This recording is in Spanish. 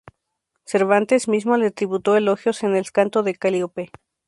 Cervantes mismo le tributó elogios en el "Canto de Calíope.